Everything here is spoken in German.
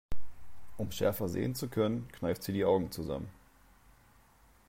Um schärfer sehen zu können, kneift sie die Augen zusammen.